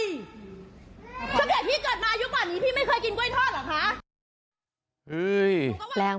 สุดยอดพี่เกิดมายุ่ะป่อนดีพี่ไม่เคยกินกล้วยทอดเหรอคะ